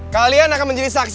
kalian akan menjadi saksi hari ini